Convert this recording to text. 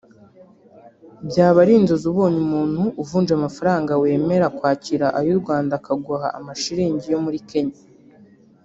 byaba ari inzozi ubonye umuntu uvunja amafaranga wemera kwakira ay’u Rwanda akaguha amashilingi yo muri Kenya